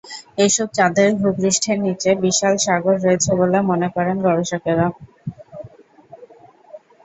এসব চাঁদের ভূপৃষ্ঠের নিচে বিশাল সাগর রয়েছে বলে মনে করেন গবেষকেরা।